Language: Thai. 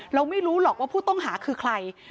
เราไม่รู้หรอกว่าผู้ต้องหาคือใคร